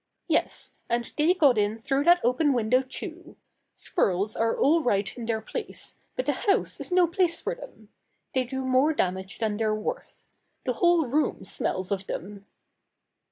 "Yes, and they got in through that open window too. Squirrels are all right in their place, but a house is no place for them. They do more damage than they're worth. The whole room smells of them."